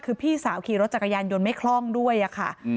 คือพี่สาวขี่รถจักรยานยนต์ไม่คล่องด้วยค่ะ